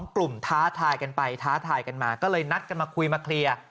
กลุ่มท้าทายกันไปท้าทายกันมาก็เลยนัดกันมาคุยมาเคลียร์